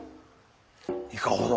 いかほど？